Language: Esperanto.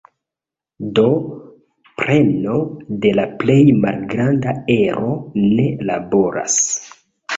Do preno de la plej malgranda ero ne laboras.